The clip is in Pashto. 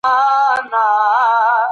د ميرويس خان نيکه سیاسي پوهه څومره ژوره وه؟